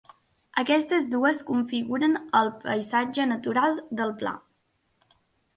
Aquestes dues configuren el paisatge natural del Pla.